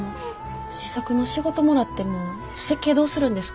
試作の仕事もらっても設計どうするんですか？